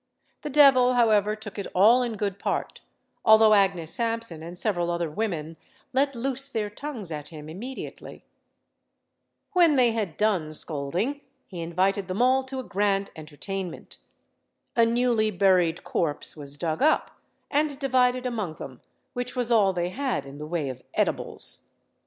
The devil, however, took it all in good part, although Agnes Sampson and several other women let loose their tongues at him immediately. When they had done scolding, he invited them all to a grand entertainment. A newly buried corpse was dug up and divided among them, which was all they had in the way of edibles.